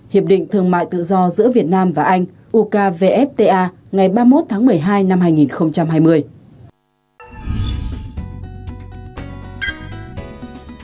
hiệp định thương mại tự do giữa việt nam và anh ukvfta ngày ba mươi một tháng một mươi hai năm hai nghìn hai mươi